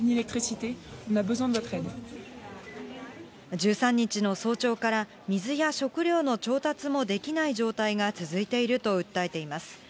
１３日の早朝から、水や食料の調達もできない状態が続いていると訴えています。